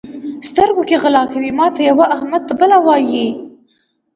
سترګو کې غلا کوي؛ ماته یوه، احمد ته بله وایي.